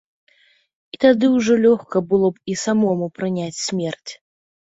І тады ўжо лёгка было б і самому прыняць смерць.